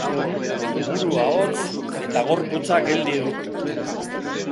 Burua hotz eta gorputza geldi eduki.